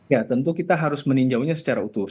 ya tentu kita harus meninjaunya secara utuh